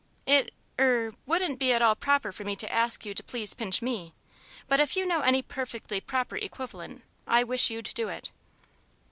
It er, wouldn't be at all proper for me to ask you to please pinch me. But if you know any perfectly proper equivalent, I wish you'd do it."